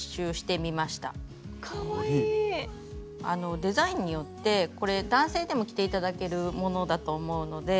デザインによってこれ男性でも着て頂けるものだと思うので。